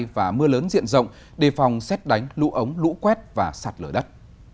và mưa lớn diện rộng đề phòng xét đánh lũ ống lũ quét và sạt lở đất